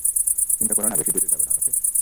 চিন্তা করো না, বেশী দূরে যাবো না, ওকে?